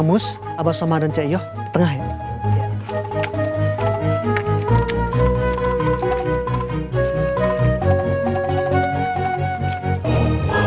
mbak sugeta pengen makan siang